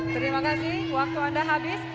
terima kasih waktu anda habis